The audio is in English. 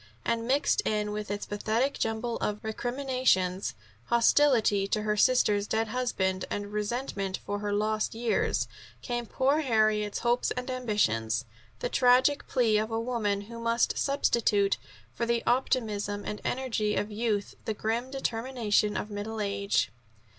And, mixed in with its pathetic jumble of recriminations, hostility to her sister's dead husband, and resentment for her lost years, came poor Harriet's hopes and ambitions, the tragic plea of a woman who must substitute for the optimism and energy of youth the grim determination of middle age.